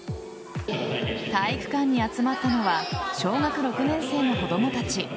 体育館に集まったのは小学６年生の子供たち。